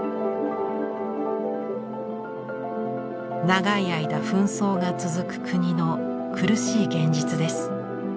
長い間紛争が続く国の苦しい現実です。